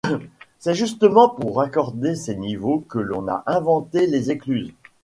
C'est justement pour raccorder ces niveaux que l'on a inventé les écluses.